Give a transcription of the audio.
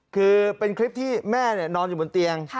คือเป็นคลิปที่แม่นอนอยู่บนเตียง